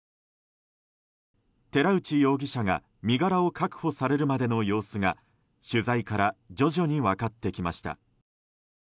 寺内容疑者が身柄を確保されるまでの様子が取材から徐々に分かってきました。